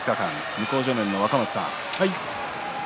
向正面の若松さん